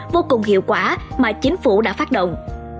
vô cùng hiệu quả mà chính phủ đã phát động